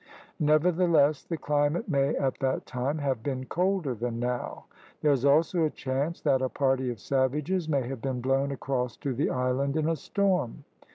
Nevertheless the climate may at that time have been colder than now. There is also a chance that a party of savages may have been blown across to the island in a storm.